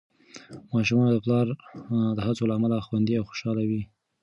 ماشومان د پلار د هڅو له امله خوندي او خوشحال وي.